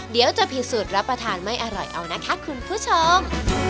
เดี๋ยวจะพิสูจน์รับประทานไม่อร่อยเอานะคะคุณผู้ชม